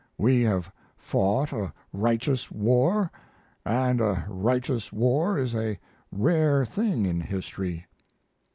We have fought a righteous war, and a righteous war is a rare thing in history.